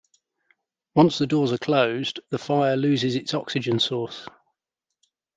Once the doors are closed, the fire loses its oxygen source.